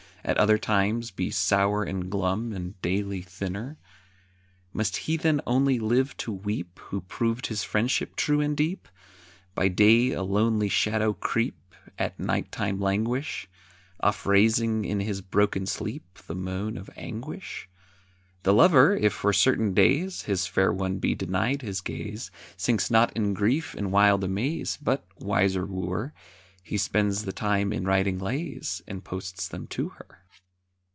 At other times be sour and glum And daily thinner? Must he then only live to weep, Who'd prove his friendship true and deep? By day a lonely shadow creep, At night time languish, Oft raising in his broken sleep The moan of anguish? The lover, if for certain days His fair one be denied his gaze, Sinks not in grief and wild amaze, But, wiser wooer, He spends the time in writing lays, And posts them to her.